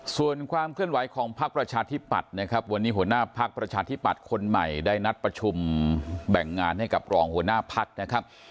ส่วนความเคลื่อนไหวของพักประชาธิปัตย์นะครับวันนี้หัวหน้าพักประชาธิปัตย์คนใหม่ได้นัดประชุมแบ่งงานให้กับรองหัวหน้าพักนะครับ